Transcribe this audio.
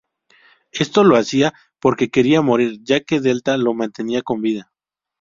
Esto lo hacía porque quería morir, ya que Delta lo mantenía con vida.